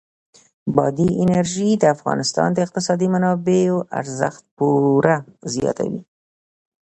بادي انرژي د افغانستان د اقتصادي منابعو ارزښت پوره زیاتوي.